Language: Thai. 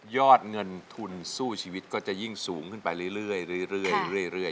อดเงินทุนสู้ชีวิตก็จะยิ่งสูงขึ้นไปเรื่อย